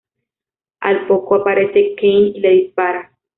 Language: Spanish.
Al poco aparece Kane y le dispara.